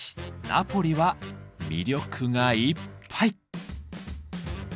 ナポリは魅力がいっぱい！